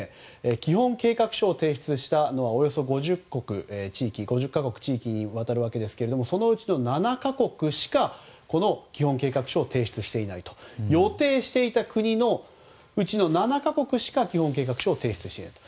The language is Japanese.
基本計画書を提出したのはおよそ５０か国の地域に当たるわけですがそのうちの７か国しか基本計画書を提出していないと。予定していた国のうち７か国しか基本計画書を提出していないと。